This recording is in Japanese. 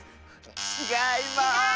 ちがいます！